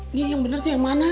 ini yang benar tuh yang mana